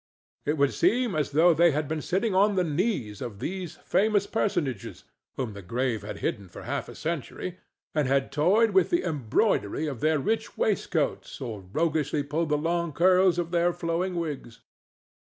It would seem as though they had been sitting on the knees of these famous personages, whom the grave had hidden for half a century, and had toyed with the embroidery of their rich waistcoats or roguishly pulled the long curls of their flowing wigs.